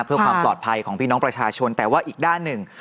เพื่อความปลอดภัยของพี่น้องประชาชนแต่ว่าอีกด้านหนึ่ง